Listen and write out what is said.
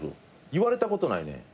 言われたことないねん。